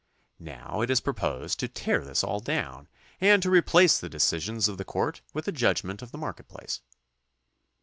Now it is proposed to tear this all down and to replace the decisions of the court with the judgment of the market place.